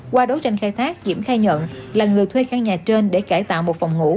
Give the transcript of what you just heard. qua đấu tranh khai thác diễm khai nhận là người thuê căn nhà trên để cải tạo một phòng ngủ